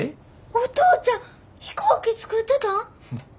お父ちゃん飛行機作ってたん！？